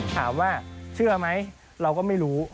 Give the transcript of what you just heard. ถามว่าเชื่อไหมเราก็ไม่รู้